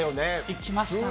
行きましたね。